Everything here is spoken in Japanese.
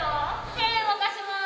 手動かします！